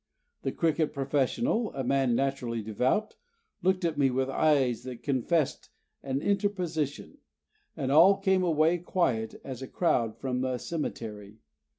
The cricket professional, a man naturally devout, looked at me with eyes that confessed an interposition, and all came away quiet as a crowd from a cemetery.